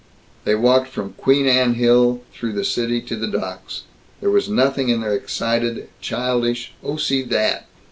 They walked from Queen Anne Hill through the city to the docks. There was nothing in their excited, childish, "Oh, see that!"